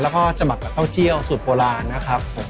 แล้วก็จะหมักกับเต้าเจียวสูตรโบราณนะครับผม